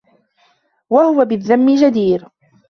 وَهُوَ بِالذَّمِّ جَدِيرٌ